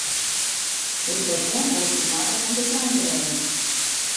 Do silst oanpoatsje moatte om de trein te heljen.